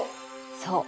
そう。